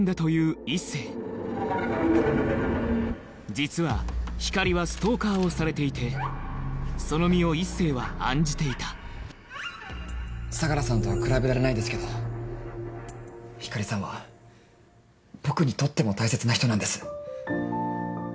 実は光莉はストーカーをされていてその身を一星は案じていた相良さんとは比べられないですけど光莉さんは僕にとっても大切な人なんです。